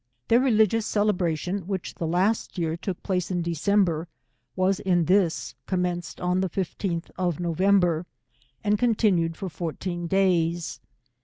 P 162 Their religious celebration, which the last year took place in December, was in this commenced on the 15th of November, and continued for fourteen days.